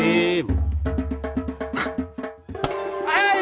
eh aduh aduh aduh